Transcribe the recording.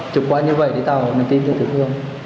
chụp qua như vậy để tạo nền tin cho tiểu thương